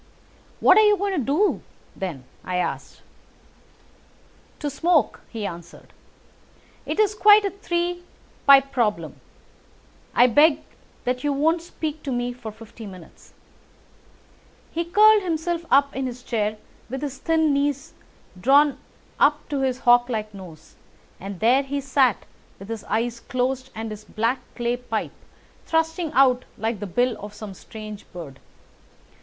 "What are you going to do, then?" I asked. "To smoke," he answered. "It is quite a three pipe problem, and I beg that you won't speak to me for fifty minutes." He curled himself up in his chair, with his thin knees drawn up to his hawk like nose, and there he sat with his eyes closed and his black clay pipe thrusting out like the bill of some strange bird.